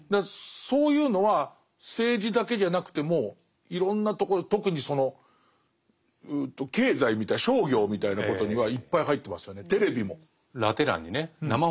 そういうのは政治だけじゃなくてもいろんなとこ特にその経済みたいな商業みたいなことにはいっぱい入ってますよね。